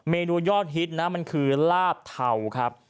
เมนูยอดฮิตนะมันคือลาบเทาครับ